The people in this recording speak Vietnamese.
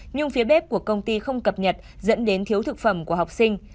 nhưng phía bếp của công ty không cập nhật dẫn đến thiếu thực phẩm của học sinh